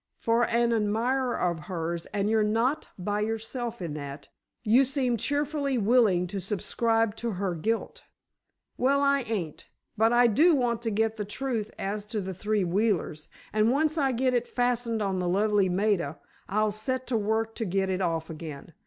"For an admirer of hers, and you're not by yourself in that, you seem cheerfully willing to subscribe to her guilt." "Well, I ain't! But I do want to get the truth as to the three Wheelers. And once I get it fastened on the lovely Maida, I'll set to work to get it off again.